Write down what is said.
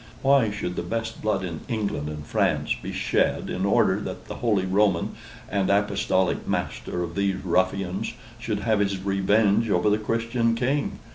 Why should the best blood in England and France be shed in order that the Holy Roman and Apostolic master of these ruffians should have his revenge over the Christian king?